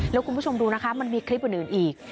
แล้วก็คุณผู้ชมดูมันมีคลิบอื่นอีก